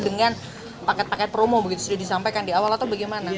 dengan paket paket promo begitu sudah disampaikan di awal atau bagaimana